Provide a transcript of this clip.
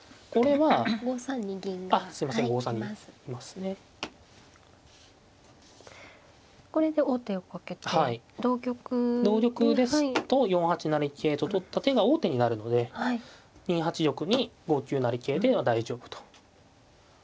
はい同玉ですと４八成桂と取った手が王手になるので２八玉に５九成桂で大丈夫と。